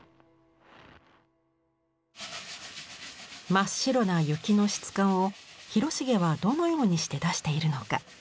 真っ白な雪の質感を広重はどのようにして出しているのか。